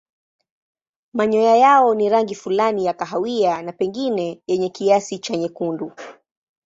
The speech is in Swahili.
Manyoya yao ni rangi fulani ya kahawia na pengine yenye kiasi cha nyekundu.